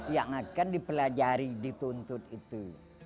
yang akan dipelajari dituntut itu